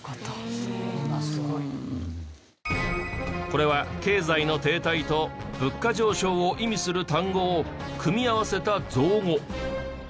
これは「経済の停滞」と「物価上昇」を意味する単語を組み合わせた造語。